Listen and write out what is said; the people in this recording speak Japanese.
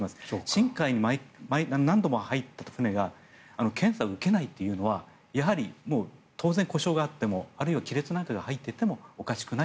深海に何度も入った船が検査を受けないというのは当然、故障があっても亀裂なんかが入っていてもおかしくないと。